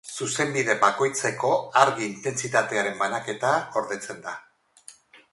Zuzenbide bakoitzeko argi-intentsitatearen banaketa gordetzen da.